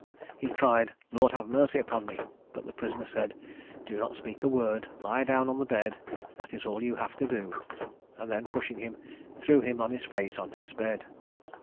He cried, "Lord have mercy upon me;" but the prisoner said, "Do not speak a word; lie down on the bed, that is all you have to do;" and then pushing him, threw him on his face on his bed.